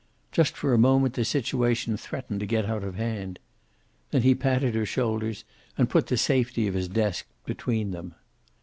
Just for a moment the situation threatened to get out of hand. Then he patted her shoulders and put the safety of his desk between them.